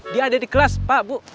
buke alamat salah lima belas pak bu